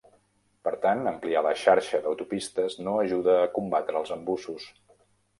Per tant, ampliar la xarxa d'autopistes no ajuda a combatre els embussos.